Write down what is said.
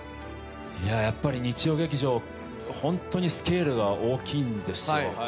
やっぱり日曜劇場、本当にスケールが大きいんですよ。